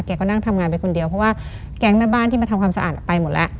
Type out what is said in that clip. นั่งทำงานไปคนเดียวเพราะว่าแก๊งแม่บ้านที่มาทำความสะอาดไปหมดแล้ว